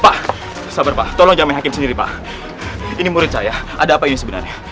pak sabar pak tolong jamin hakim sendiri pak ini murid saya ada apa ini sebenarnya